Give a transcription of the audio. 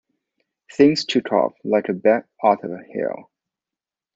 Things took off like a bat out of hell.